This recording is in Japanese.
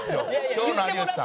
今日の有吉さん。